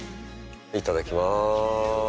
いただきまーす。